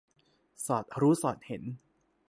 สอดรู้สอดเห็น